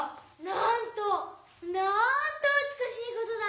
「なんとなんとうつくしいことだ！」。